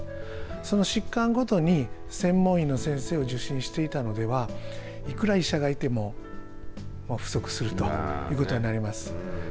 その疾患ごとに専門医の先生を受診していたのではいくら医者がいたとしても不足するということになります。